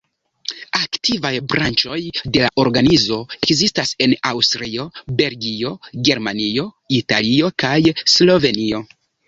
Aktivaj branĉoj de la organizo ekzistas en Aŭstrio, Belgio, Germanio, Italio kaj Slovenio.